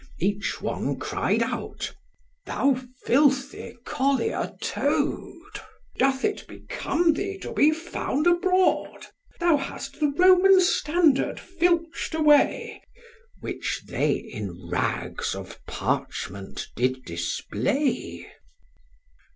Each one cried out, Thou filthy collier toad, Doth it become thee to be found abroad? Thou hast the Roman standard filch'd away, Which they in rags of parchment did display.